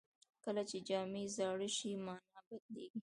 کله چې جامې زاړه شي، مانا بدلېږي.